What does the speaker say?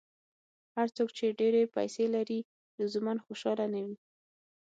هر څوک چې ډېرې پیسې لري، لزوماً خوشاله نه وي.